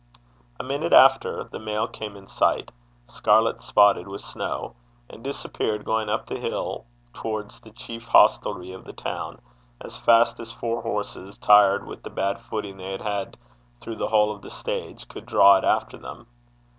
A minute after, the mail came in sight scarlet, spotted with snow and disappeared, going up the hill towards the chief hostelry of the town, as fast as four horses, tired with the bad footing they had had through the whole of the stage, could draw it after them.